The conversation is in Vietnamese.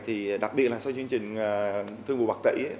thì đặc biệt là sau chương trình thương vụ bạc tỷ